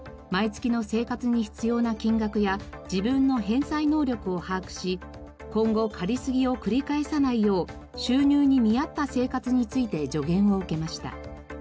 毎月の生活に必要な金額や自分の返済能力を把握し今後借りすぎを繰り返さないよう収入に見合った生活について助言を受けました。